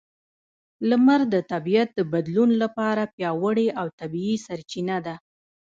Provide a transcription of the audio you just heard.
لمر د طبیعت د بدلون لپاره پیاوړې او طبیعي سرچینه ده.